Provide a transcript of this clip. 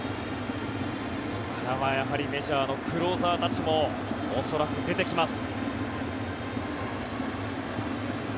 ここからは、やはりメジャーのクローザーたちも恐らく出てきます。